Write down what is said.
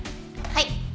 はい。